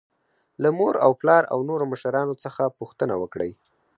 له مور او پلار او نورو مشرانو څخه پوښتنه وکړئ.